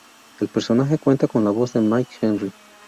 El personaje cuenta con la voz de Mike Henry.